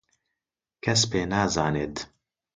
کەس پێ نازانێت.